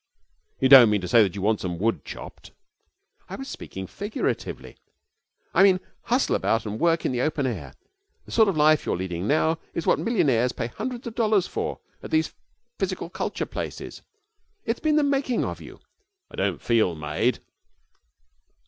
'You don't mean to say that you want some wood chopped?' 'I was speaking figuratively. I meant hustle about and work in the open air. The sort of life you are leading now is what millionaires pay hundreds of dollars for at these physical culture places. It has been the making of you.' 'I don't feel made.'